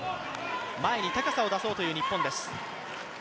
前に高さを出そうという日本です。